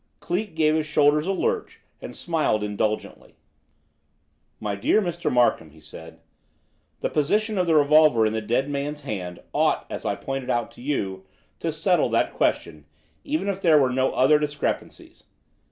Cleek gave his shoulders a lurch and smiled indulgently. "My dear Mr. Narkom," he said, "the position of the revolver in the dead man's hand ought, as I pointed out to you, to settle that question, even if there were no other discrepancies.